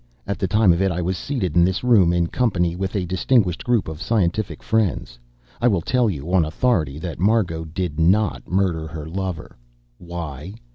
At the time of it, I was seated in this room in company with a distinguished group of scientific friends. I will tell you, on authority, that Margot did not murder her lover. Why?